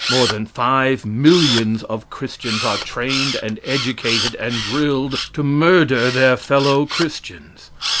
More than five millions of Christians are trained and educated and drilled to murder their fellow Christians.